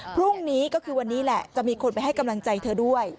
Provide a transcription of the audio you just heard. พรุ่งนี้ก็คือวันนี้แหละจะมีคนไปให้กำลังใจเธอด้วย